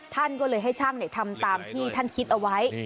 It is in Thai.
ท่านก็เลยให้ช่างทำตามที่ท่านคิดเอาไว้